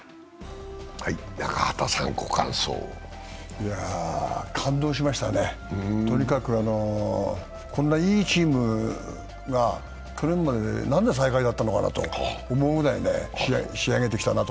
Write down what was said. いやぁ、感動しましたね、とにかくこんないいチームが去年まで何で最下位だったのかなと思うぐらい仕上げてきた。